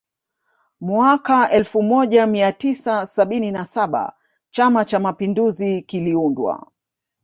Mwaka elfu moja mia tisa sabini na saba Chama Cha Mapinduzi kiliundwa